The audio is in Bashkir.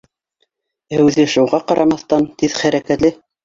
Ә үҙе, шуға ҡарамаҫтан, тиҙ хәрәкәтле